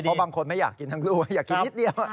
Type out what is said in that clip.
เพราะบางคนไม่อยากกินทั้งลูกอยากกินนิดเดียว